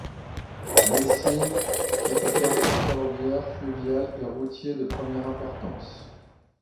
Děčín est un carrefour ferroviaire, fluvial et routier de première importance.